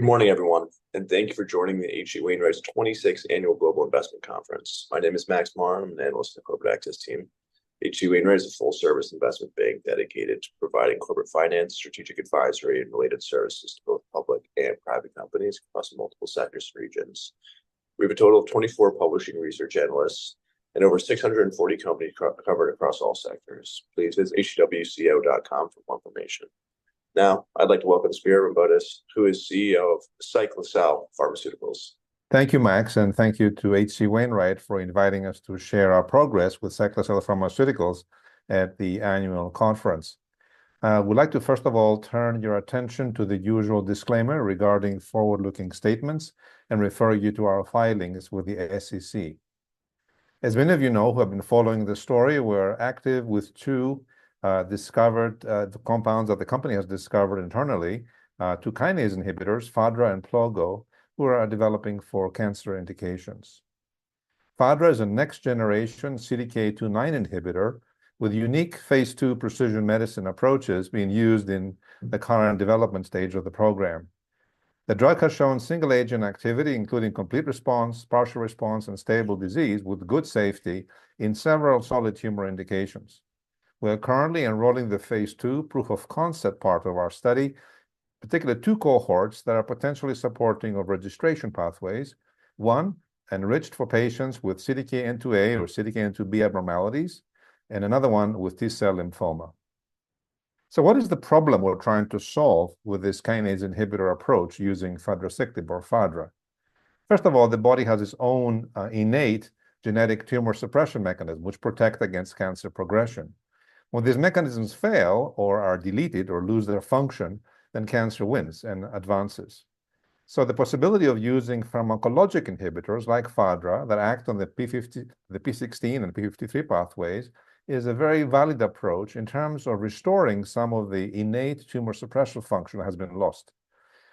Good morning, everyone, and thank you for joining the H.C. Wainwright's twenty-sixth Annual Global Investment Conference. My name is Max Marr. I'm an analyst in the corporate access team. H.C. Wainwright is a full-service investment bank dedicated to providing corporate finance, strategic advisory, and related services to both public and private companies across multiple sectors and regions. We have a total of twenty-four publishing research analysts and over six hundred and forty companies co-covered across all sectors. Please visit hcw.com for more information. Now, I'd like to welcome Spiro Rombotis, who is CEO of Cyclacel Pharmaceuticals. Thank you, Max, and thank you to H.C. Wainwright for inviting us to share our progress with Cyclacel Pharmaceuticals at the annual conference. I would like to, first of all, turn your attention to the usual disclaimer regarding forward-looking statements and refer you to our filings with the SEC. As many of you know, who have been following the story, we're active with two discovered the compounds that the company has discovered internally two kinase inhibitors, FADRA and PLOGO, who are developing for cancer indications. FADRA is a next generation CDK2/9 inhibitor with unique phase two precision medicine approaches being used in the current development stage of the program. The drug has shown single-agent activity, including complete response, partial response, and stable disease, with good safety in several solid tumor indications. We are currently enrolling the phase two proof of concept part of our study, particularly two cohorts that are potentially supporting of registration pathways. One, enriched for patients with CDKN2A or CDKN2B abnormalities, and another one with T-cell lymphoma. So what is the problem we're trying to solve with this kinase inhibitor approach using Fadraciclib or FADRA? First of all, the body has its own innate genetic tumor suppression mechanism, which protect against cancer progression. When these mechanisms fail or are deleted or lose their function, then cancer wins and advances. So the possibility of using pharmacologic inhibitors like FADRA, that act on the p16 and p53 pathways, is a very valid approach in terms of restoring some of the innate tumor suppressor function that has been lost.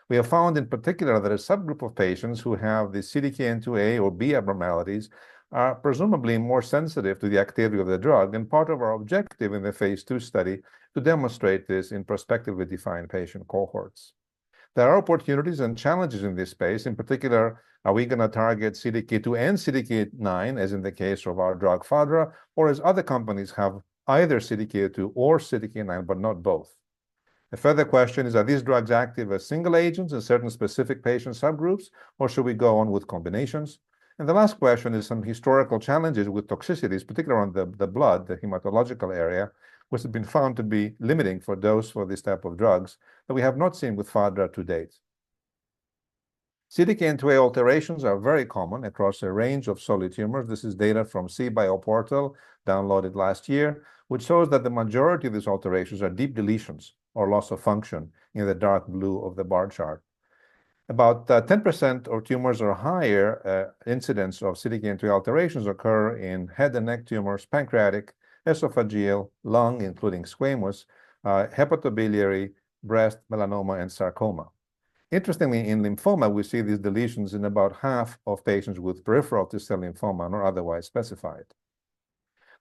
We have found, in particular, that a subgroup of patients who have the CDKN2A or B abnormalities are presumably more sensitive to the activity of the drug, and part of our objective in the phase two study to demonstrate this in prospectively defined patient cohorts. There are opportunities and challenges in this space. In particular, are we going to target CDK2 and CDK9, as in the case of our drug, FADRA, or as other companies have, either CDK2 or CDK9, but not both? A further question is, are these drugs active as single agents in certain specific patient subgroups, or should we go on with combinations, and the last question is some historical challenges with toxicities, particularly around the blood, the hematological area, which have been found to be limiting for dose for this type of drugs that we have not seen with FADRA to date. CDKN2A alterations are very common across a range of solid tumors. This is data from cBioPortal, downloaded last year, which shows that the majority of these alterations are deep deletions or loss of function in the dark blue of the bar chart. About 10% of tumors or higher incidence of CDKN2A alterations occur in head and neck tumors, pancreatic, esophageal, lung, including squamous, hepatobiliary, breast, melanoma, and sarcoma. Interestingly, in lymphoma, we see these deletions in about half of patients with peripheral T-cell lymphoma, not otherwise specified.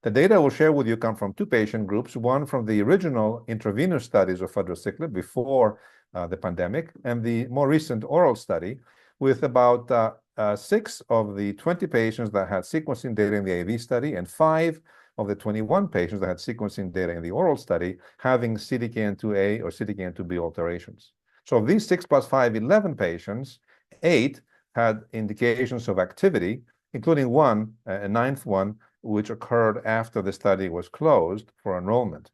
The data I will share with you come from two patient groups, one from the original intravenous studies of Fadraciclib before the pandemic, and the more recent oral study, with about six of the 20 patients that had sequencing data in the IV study, and five of the 21 patients that had sequencing data in the oral study, having CDKN2A or CDKN2B alterations, so of these six plus five, 11 patients, eight had indications of activity, including one, a ninth one, which occurred after the study was closed for enrollment.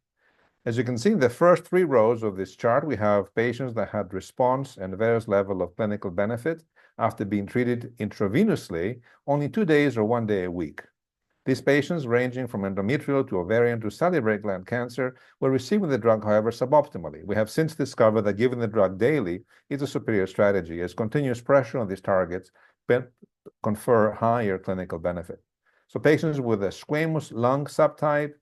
As you can see, in the first three rows of this chart, we have patients that had response and various level of clinical benefit after being treated intravenously, only two days or one day a week. These patients, ranging from endometrial to ovarian to salivary gland cancer, were receiving the drug, however, suboptimally. We have since discovered that giving the drug daily is a superior strategy, as continuous pressure on these targets confer higher clinical benefit, so patients with a squamous lung subtype,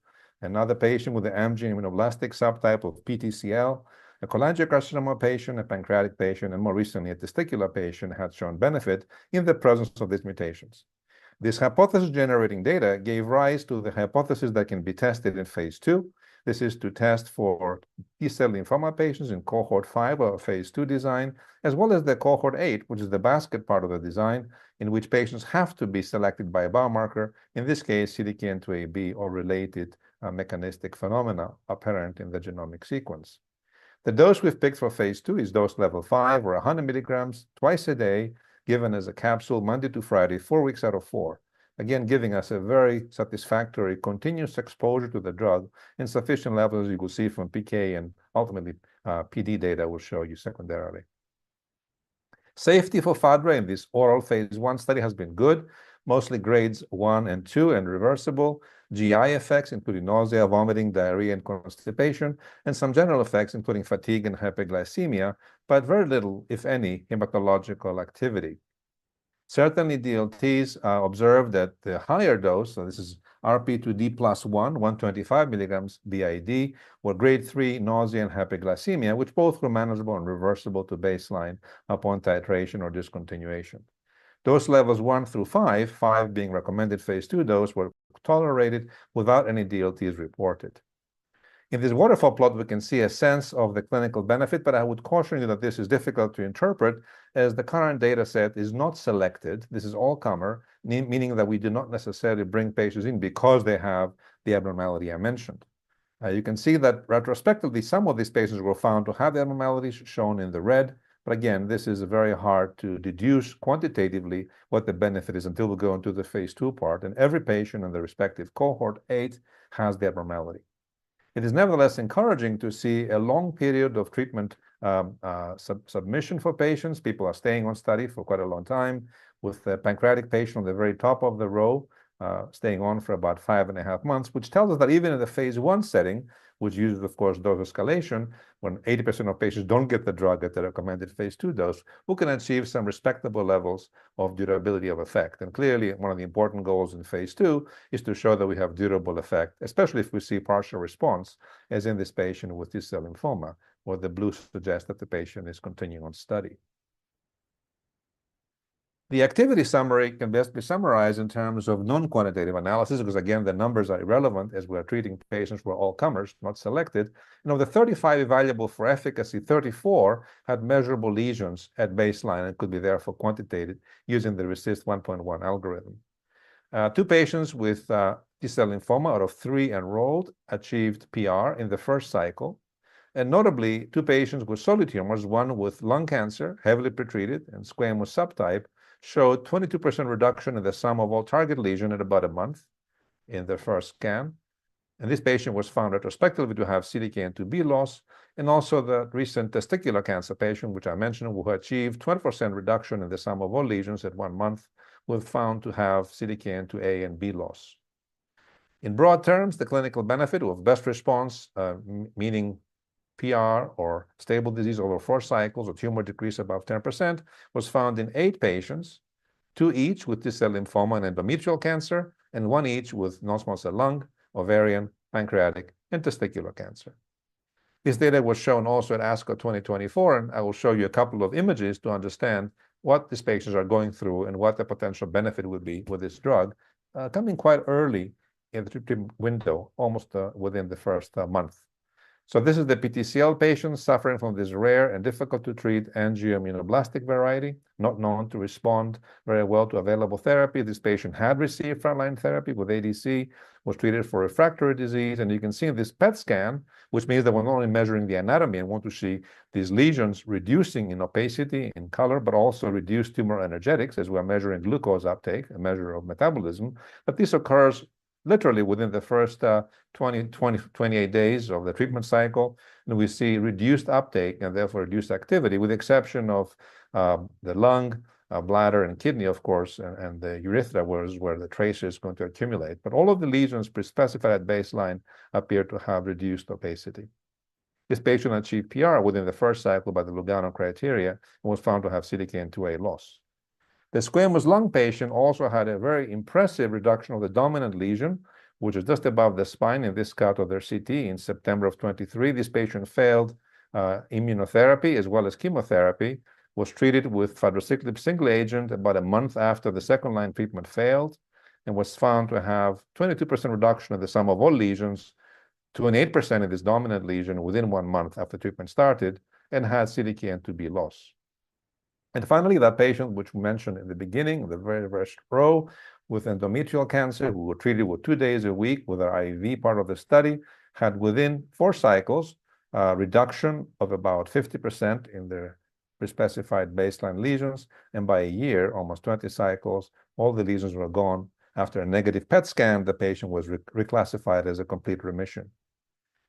another patient with the angioimmunoblastic subtype of PTCL, a cholangiocarcinoma patient, a pancreatic patient, and more recently, a testicular patient, had shown benefit in the presence of these mutations. This hypothesis-generating data gave rise to the hypothesis that can be tested in phase two. This is to test for T-cell lymphoma patients in cohort five of phase two design, as well as the cohort eight, which is the basket part of the design, in which patients have to be selected by a biomarker, in this case, CDKN2A/B, or related, mechanistic phenomena apparent in the genomic sequence. The dose we've picked for phase 2 is dose level 5 or 100 milligrams twice a day, given as a capsule, Monday to Friday, four weeks out of four. Again, giving us a very satisfactory, continuous exposure to the drug in sufficient levels, as you will see from PK, and ultimately, PD data will show you secondarily. Safety for FADRA in this oral phase 1 study has been good, mostly grades 1 and 2 and reversible. GI effects, including nausea, vomiting, diarrhea, and constipation, and some general effects, including fatigue and hyperglycemia, but very little, if any, hematological activity. Certainly, the DLTs are observed at the higher dose, so this is RP2D plus one, 125 milligrams BID, were grade 3 nausea and hyperglycemia, which both were manageable and reversible to baseline upon titration or discontinuation. Dose levels one through five, five being recommended phase two dose, were tolerated without any DLTs reported. In this waterfall plot, we can see a sense of the clinical benefit, but I would caution you that this is difficult to interpret, as the current dataset is not selected. This is all-comer, meaning that we did not necessarily bring patients in because they have the abnormality I mentioned. You can see that retrospectively, some of these patients were found to have the abnormalities shown in the red, but again, this is very hard to deduce quantitatively what the benefit is until we go into the phase two part, and every patient in the respective cohort eight has the abnormality. It is nevertheless encouraging to see a long period of treatment, stable remission for patients. People are staying on study for quite a long time, with the pancreatic patient on the very top of the row, staying on for about five and a half months, which tells us that even in the phase one setting, which uses, of course, dose escalation, when 80% of patients don't get the drug at the recommended phase two dose, we can achieve some respectable levels of durability of effect, and clearly, one of the important goals in phase two is to show that we have durable effect, especially if we see partial response, as in this patient with T-cell lymphoma, where the blue suggests that the patient is continuing on study. The activity summary can best be summarized in terms of non-quantitative analysis, because, again, the numbers are irrelevant, as we are treating patients who are all comers, not selected. Of the 35 evaluable for efficacy, 34 had measurable lesions at baseline and could be therefore quantitated using the RECIST 1.1 algorithm. Two patients with T-cell lymphoma out of three enrolled achieved PR in the first cycle, and notably, two patients with solid tumors, one with lung cancer, heavily pretreated and squamous subtype, showed 22% reduction in the sum of all target lesion at about a month in the first scan, and this patient was found retrospectively to have CDKN2B loss, and also the recent testicular cancer patient, which I mentioned, who achieved 20% reduction in the sum of all lesions at one month, was found to have CDKN2A and CDKN2B loss. In broad terms, the clinical benefit of best response, meaning PR or stable disease over four cycles or tumor decrease above 10%, was found in eight patients, two each with T-cell lymphoma and endometrial cancer, and one each with non-small cell lung, ovarian, pancreatic, and testicular cancer. This data was shown also at ASCO 2024, and I will show you a couple of images to understand what these patients are going through and what the potential benefit would be with this drug, coming quite early in the treatment window, almost, within the first month. So this is the PTCL patient suffering from this rare and difficult-to-treat angioimmunoblastic variety, not known to respond very well to available therapy. This patient had received frontline therapy with ADC, was treated for refractory disease, and you can see in this PET scan, which means that we're not only measuring the anatomy and want to see these lesions reducing in opacity, in color, but also reduced tumor energetics as we are measuring glucose uptake, a measure of metabolism. But this occurs literally within the first twenty-eight days of the treatment cycle. And we see reduced uptake and therefore reduced activity, with exception of the lung, bladder, and kidney, of course, and the urethra, where the tracer is going to accumulate. But all of the lesions pre-specified at baseline appear to have reduced opacity. This patient achieved PR within the first cycle by the Lugano criteria and was found to have CDKN2A loss. The squamous lung patient also had a very impressive reduction of the dominant lesion, which is just above the spine in this cut of their CT in September of 2023. This patient failed, immunotherapy as well as chemotherapy, was treated with Fadraciclib single agent about a month after the second-line treatment failed and was found to have 22% reduction of the sum of all lesions to an 8% of this dominant lesion within one month after treatment started and had CDKN2B loss. Finally, that patient, which we mentioned in the beginning, the very first row, with endometrial cancer, who were treated with two days a week with our IV part of the study, had, within four cycles, a reduction of about 50% in their pre-specified baseline lesions, and by a year, almost 20 cycles, all the lesions were gone. After a negative PET scan, the patient was reclassified as a complete remission.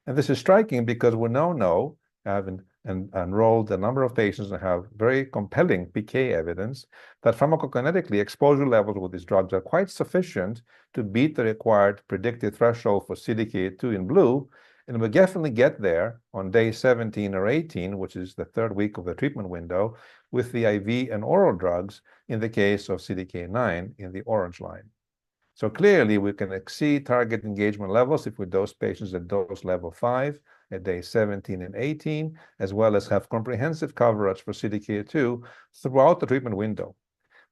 This is striking because we now know, having enrolled a number of patients and have very compelling PK evidence, that pharmacokinetically, exposure levels with these drugs are quite sufficient to beat the required predicted threshold for CDK2 in blue, and we definitely get there on day seventeen or eighteen, which is the third week of the treatment window, with the IV and oral drugs in the case of CDK9 in the orange line. Clearly, we can exceed target engagement levels if with those patients at dose level five, at day seventeen and eighteen, as well as have comprehensive coverage for CDK2 throughout the treatment window.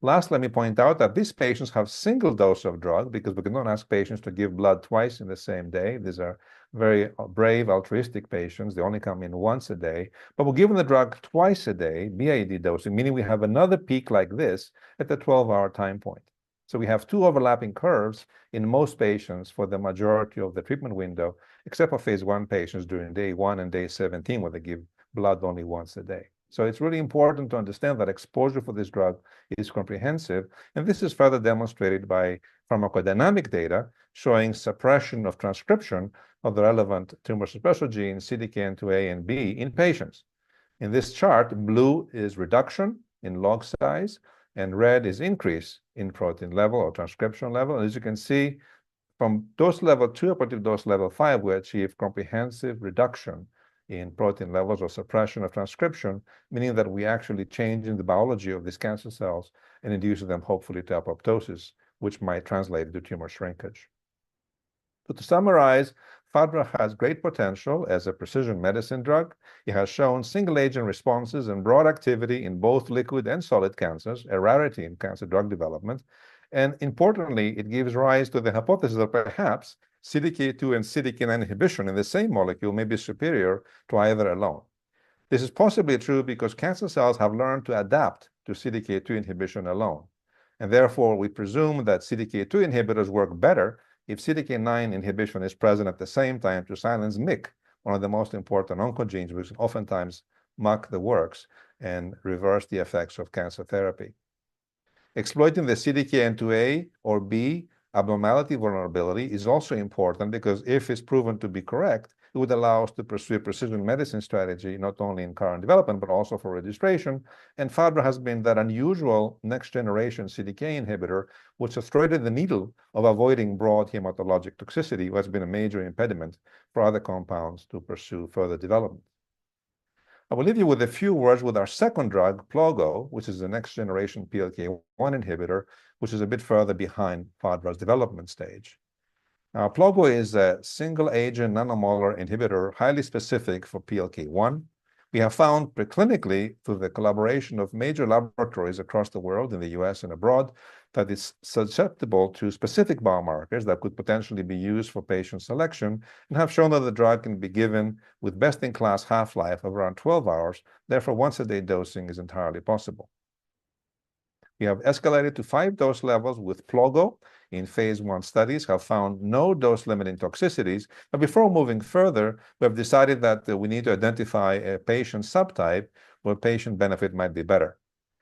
Last, let me point out that these patients have single dose of drug because we cannot ask patients to give blood twice in the same day. These are very brave, altruistic patients. They only come in once a day. But we'll give them the drug twice a day, BID dosing, meaning we have another peak like this at the 12-hour time point. So we have two overlapping curves in most patients for the majority of the treatment window, except for phase one patients during day one and day 17, where they give blood only once a day. So it's really important to understand that exposure for this drug is comprehensive, and this is further demonstrated by pharmacodynamic data showing suppression of transcription of the relevant tumor suppressor gene, CDKN2A and CDKN2B, in patients. In this chart, blue is reduction in log size, and red is increase in protein level or transcription level. And as you can see, from dose level two up to dose level five, we achieve comprehensive reduction in protein levels or suppression of transcription, meaning that we're actually changing the biology of these cancer cells and inducing them hopefully to apoptosis, which might translate to tumor shrinkage. So to summarize, FADRA has great potential as a precision medicine drug. It has shown single-agent responses and broad activity in both liquid and solid cancers, a rarity in cancer drug development. And importantly, it gives rise to the hypothesis that perhaps CDK2 and CDK9 inhibition in the same molecule may be superior to either alone... This is possibly true because cancer cells have learned to adapt to CDK2 inhibition alone, and therefore, we presume that CDK2 inhibitors work better if CDK9 inhibition is present at the same time to silence MYC, one of the most important oncogenes, which oftentimes muck the works and reverse the effects of cancer therapy. Exploiting the CDKN2A or B abnormality vulnerability is also important because if it's proven to be correct, it would allow us to pursue a precision medicine strategy, not only in current development, but also for registration. FADRA has been that unusual next-generation CDK inhibitor, which has threaded the needle of avoiding broad hematologic toxicity, what's been a major impediment for other compounds to pursue further development. I will leave you with a few words with our second drug, PLOGO, which is the next generation PLK-1 inhibitor, which is a bit further behind FADRA's development stage. Now, PLOGO is a single-agent, nanomolar inhibitor, highly specific for PLK-1. We have found preclinically, through the collaboration of major laboratories across the world, in the U.S. and abroad, that it's susceptible to specific biomarkers that could potentially be used for patient selection, and have shown that the drug can be given with best-in-class half-life of around twelve hours. Therefore, once-a-day dosing is entirely possible. We have escalated to five dose levels with PLOGO in phase I studies, have found no dose-limiting toxicities. But before moving further, we have decided that, we need to identify a patient subtype where patient benefit might be better.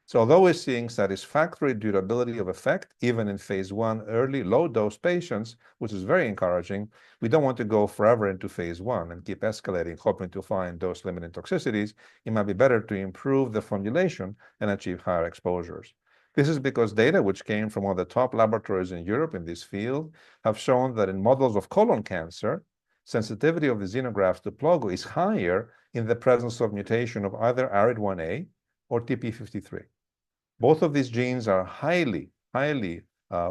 So although we're seeing satisfactory durability of effect, even in phase I, early low-dose patients, which is very encouraging, we don't want to go forever into phase I and keep escalating, hoping to find dose-limiting toxicities. It might be better to improve the formulation and achieve higher exposures. This is because data which came from one of the top laboratories in Europe in this field have shown that in models of colon cancer, sensitivity of the xenograft to PLOGO is higher in the presence of mutation of either ARID1A or TP53. Both of these genes are highly, highly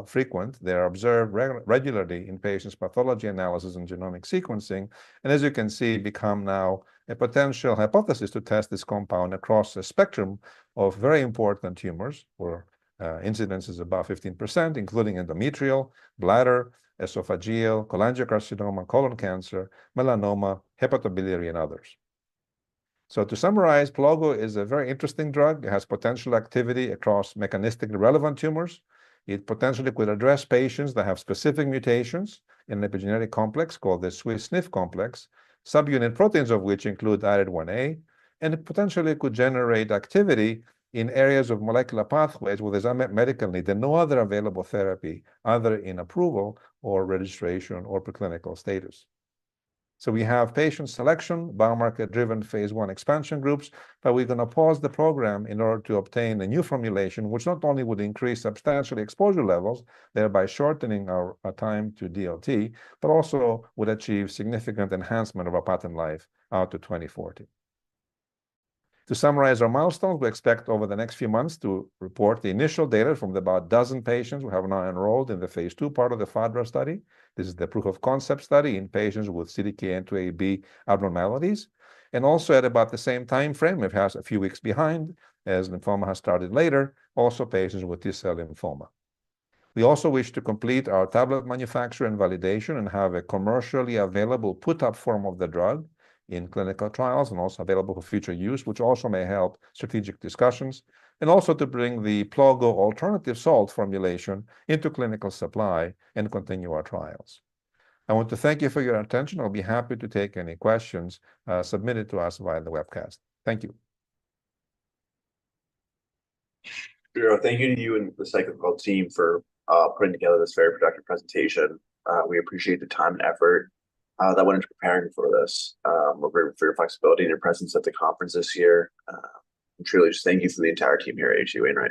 frequent. They are observed regularly in patients' pathology analysis and genomic sequencing, and as you can see, become now a potential hypothesis to test this compound across a spectrum of very important tumors, where incidence is above 15%, including endometrial, bladder, esophageal, cholangiocarcinoma, colon cancer, melanoma, hepatobiliary, and others. So to summarize, PLOGO is a very interesting drug. It has potential activity across mechanistically relevant tumors. It potentially could address patients that have specific mutations in epigenetic complex, called the SWI/SNF complex, subunit proteins of which include ARID1A, and it potentially could generate activity in areas of molecular pathways where there's unmet medical need and no other available therapy, either in approval or registration or preclinical status. So we have patient selection, biomarker-driven phase I expansion groups, but we're gonna pause the program in order to obtain a new formulation, which not only would increase substantially exposure levels, thereby shortening our time to DLT, but also would achieve significant enhancement of our patent life out to twenty forty. To summarize our milestones, we expect over the next few months to report the initial data from about a dozen patients we have now enrolled in the phase II part of the FADRA study. This is the proof-of-concept study in patients with CDKN2A/B abnormalities, and also at about the same timeframe, it has a few weeks behind, as lymphoma has started later, also, patients with T-cell lymphoma. We also wish to complete our tablet manufacture and validation and have a commercially available put-up form of the drug in clinical trials, and also available for future use, which also may help strategic discussions, and also to bring the PLOGO alternative salt formulation into clinical supply and continue our trials. I want to thank you for your attention. I'll be happy to take any questions submitted to us via the webcast. Thank you. Thank you to you and the Cyclacel team for putting together this very productive presentation. We appreciate the time and effort that went into preparing for this. We're grateful for your flexibility and your presence at the conference this year. Truly, just thank you to the entire team here at H.C. Wainwright.